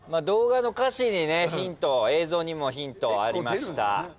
動画の歌詞にねヒント映像にもヒントありました。